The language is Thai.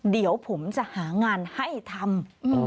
เดี๋ยวผมจะหางานให้ทำ